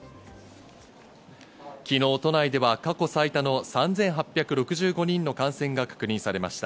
昨日、都内では過去最多の３８６５人の感染が確認されました。